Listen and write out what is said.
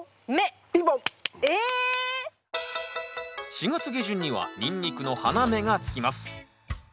４月下旬にはニンニクの花芽がつきます。